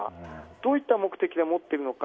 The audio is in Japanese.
どういった目的で持っているのか。